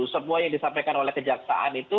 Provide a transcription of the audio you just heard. semua yang disampaikan oleh kejaksaan itu